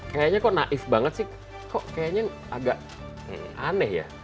kayaknya kok naif banget sih kok kayaknya agak aneh ya